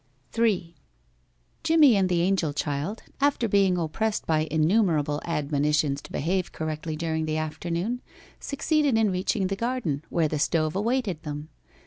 III Jimmie and the angel child, after being oppressed by innumerable admonitions to behave correctly during the afternoon, succeeded in reaching the garden, where the stove awaited them.